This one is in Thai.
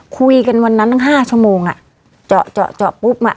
คุยกันวันนั้นตั้ง๕ชั่วโมงอ่ะเจาะเจาะเจาะปุ๊บอ่ะ